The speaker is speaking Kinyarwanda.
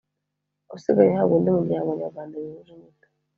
usigaye uhabwa undi muryango nyarwanda bihuje inyito